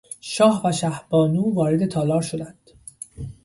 شاه و شهبانو وارد تالار شدند.